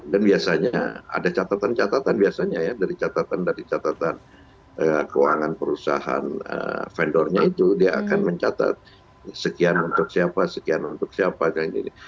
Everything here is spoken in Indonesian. dan biasanya ada catatan catatan biasanya ya dari catatan catatan keuangan perusahaan vendornya itu dia akan mencatat sekian untuk siapa sekian untuk siapa dan begini